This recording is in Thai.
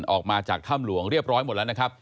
ออกมาจากถ้ำหลวงเรียบร้อยหมดแล้วนะครับ